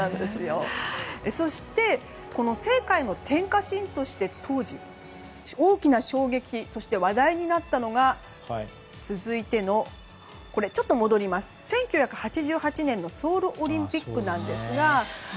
そして聖火への点火シーンとして当時、大きな衝撃そして話題になったのが１９８８年のソウルオリンピックなんですが。